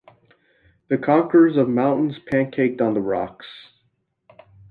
These conquerors of mountains pancaked on the rocks.